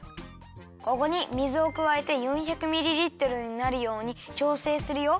ここに水をくわえて４００ミリリットルになるようにちょうせいするよ。